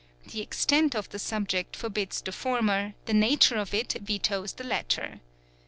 The extent of the subject forbids the former, the nature of it vetoes the latter.